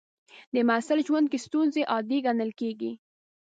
د محصل ژوند کې ستونزې عادي ګڼل کېږي.